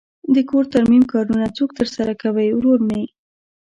د کور ترمیم کارونه څوک ترسره کوی؟ ورور می